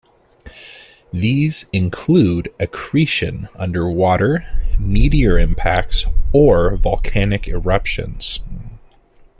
These include accretion under water, meteor impacts, or volcanic eruptions.